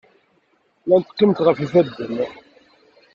Llant qqiment ɣef yifadden.